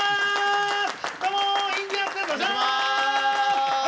どうもインディアンスです！